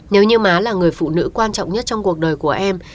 nếu như má là người phụ nữ quan trọng nhất trong cuộc đời của em